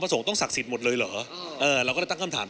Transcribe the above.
ประสงค์ดีที่เราจะเอามาเตือนสติ